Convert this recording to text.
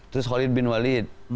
terus khalid bin walid